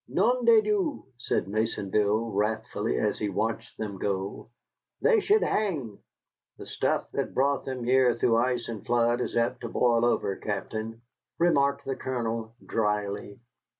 "Nom de Dieu!" said Maisonville, wrathfully, as he watched them go, "they should hang." "The stuff that brought them here through ice and flood is apt to boil over, Captain," remarked the Colonel, dryly.